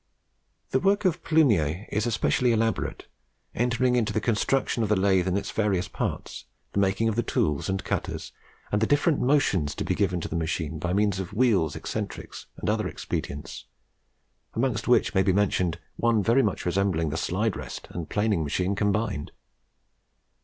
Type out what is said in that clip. The work of Plumier is especially elaborate, entering into the construction of the lathe in its various parts, the making of the tools and cutters, and the different motions to be given to the machine by means of wheels, eccentrics, and other expedients, amongst which may be mentioned one very much resembling the slide rest and planing machine combined.